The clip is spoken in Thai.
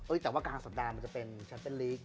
เอ้ยแต่ว่ากลางสัปดาห์มันจะเป็นฉันเป็นลิก